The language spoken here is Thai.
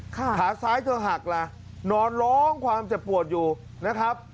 ขาซ้ายเธอหักล่ะนอนร้องความเจ็บปวดอยู่นะครับ